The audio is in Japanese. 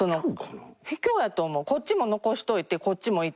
こっちも残しておいてこっちもいって。